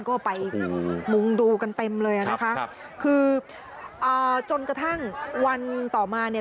ก็ไปมุงดูกันเต็มเลยนะคะคือจนกระทั่งวันต่อมาเนี่ย